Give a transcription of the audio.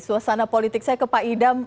suasana politik saya ke pak idam